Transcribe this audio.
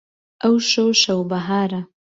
ئەوشەو شەو بەهارە